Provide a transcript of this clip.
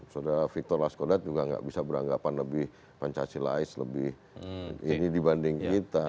saudara victor laskodat juga nggak bisa beranggapan lebih pancasilais lebih ini dibanding kita